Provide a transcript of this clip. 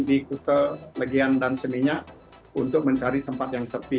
diikuti legian dan seninya untuk mencari tempat yang sepi